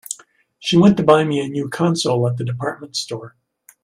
She went to buy me a new console at the department store.